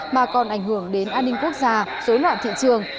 mà còn ảnh hưởng đến an ninh quốc gia dối loạn thị trường